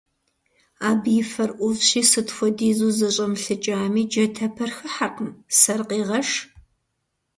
Абы и фэр Ӏувщи, сыт хуэдизу зэщӀэмылъыкӀами, джатэпэр хыхьэркъым, сэр къегъэш.